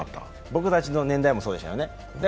僕たちの年代もそうでしたよね。